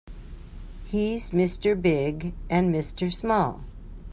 He's Mr. Big and Mr. Small.